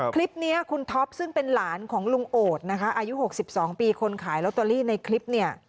คลิปนี้คุณท็อปซึ่งเป็นหลานของลุงโอดนะคะอายุ๖๒ปีคนขายลอตเตอรี่ในคลิปเนี่ย